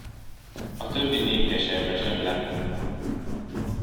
A többi még keservesebb lett.